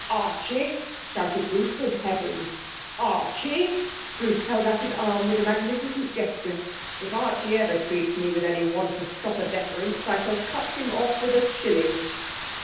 'Archie!' shouted Bruce. 'Good heavens! Archie!' Bruce held out his arm with a magnificent gesture. 'If Archie ever treats me with any want of proper deference, I shall cut him off with a shilling!'